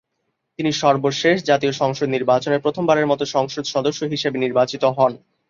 তিনি সর্বশেষ জাতীয় সংসদ নির্বাচনে প্রথমবারের মত সংসদ সদস্য হিসেবে নির্বাচিত হন।